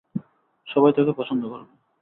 সবাই তোকে পছন্দ করবে।